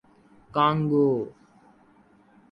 Congo